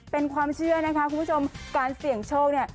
เป็นความเชื่อนะคะคุณผู้ชมการเสี่ยงโชคเนี่ย